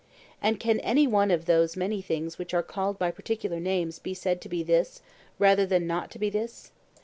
And can any one of those many things which are called by particular names be said to be this rather than not to be this?